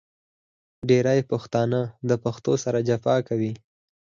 ډېری پښتانه د پښتو سره جفا کوي .